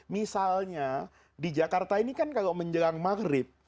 misalnya di jakarta ini kan kalau menjelang maghrib